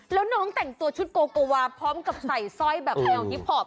แล้วน้องแต่งตัวชุดโกโกวาพร้อมกับใส่สร้อยแบบแนวฮิปพอป